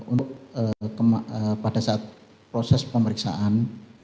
untuk pada saat proses pemeriksaan